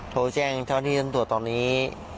โทรแจ้งเท่าที่ท่านตรวจตอนนี้